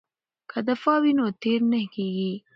که دفاع وي نو تیری نه کیږي.